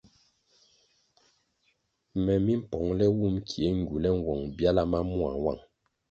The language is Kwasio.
Me mi mpongʼle wum kie ngywule nwong byala ma mua nwang.